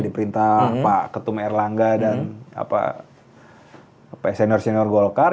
diperintah pak ketum erlangga dan senior senior golkar